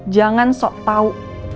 jangan sok tau